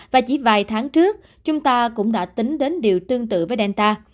và chỉ vài tháng trước chúng ta cũng đã tính đến điều tương tự với delta